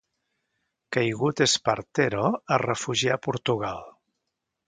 Caigut Espartero, es refugià a Portugal.